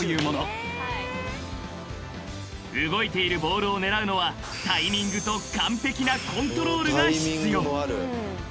［動いているボールを狙うのはタイミングと完璧なコントロールが必要］